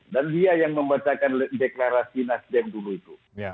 dan dia yang membacakan deklarasi nasdem dulu itu